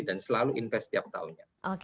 dan selalu investasi setiap tahunnya